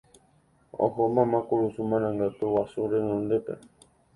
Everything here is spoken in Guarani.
oho mama kurusu marangatu guasu renondépe